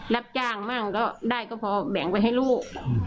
รับจ้างได้ก็พอแบ่งไปให้ลูก